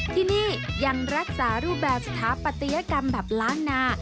ที่นี่ยังรักษารูปแบบสถาปัตยกรรมแบบล้านนา